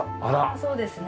そうですね。